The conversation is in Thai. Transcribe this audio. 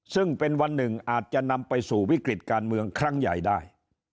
ซึ่งเป็นวันหนึ่งอาจจะนำไปสู่วิกฤตการเมืองครั้งใหญ่ได้